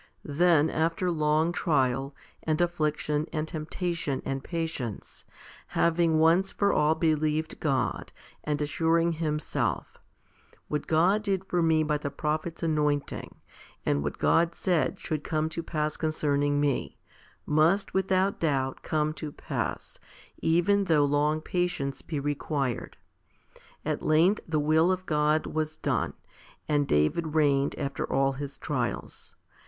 Then after long trial, and affliction, and temptation, and patience, having once for all believed God, and assuring himself, " What God did for me by the prophet's anointing, and what God said should come to pass concerning me, must without doubt come to pass, even though long patience be required," at length the will of God was done, and David reigned after all his trials.